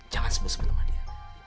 jangan sebut sebut sama dia